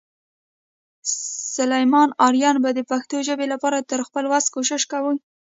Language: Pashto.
سلیمان آرین به د پښتو ژبې لپاره تر خپل وس کوشش کوم.